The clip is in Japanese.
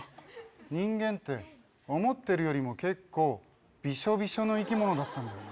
人間って思っているよりも、結構びしょびしょの生き物だったんだよな。